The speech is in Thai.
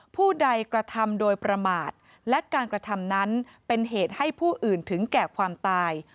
ผู้ใดกระทำโดยประมาทและการกระทำนั้นเป็นเหตุให้ผู้อื่นถึงแก่ความตาย